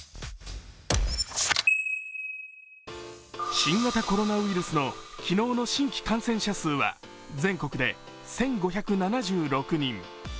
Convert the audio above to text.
新型コロナウイルスの昨日の新規感染者数は全国で１５７６人。